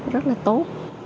rất là tốt